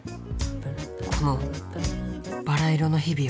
このバラ色の日々を。